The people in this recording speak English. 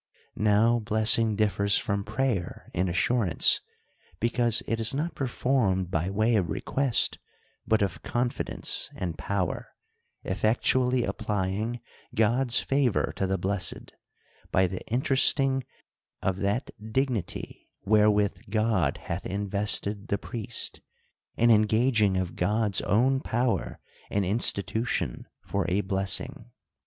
Now blessing differs from prayer, in assurance ; be cause it is not performed by way of request, but of con fidence and power, effectually applying God's favor to the blessed, by the interesting of that dignity where with God hath invested the priest, and engaging of God's own power and institution for a blessing.